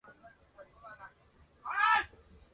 Realizó las inferiores en el Maccabi Haifa Football Club.